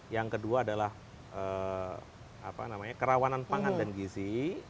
yang kedua adalah kerawanan pangan dan gizi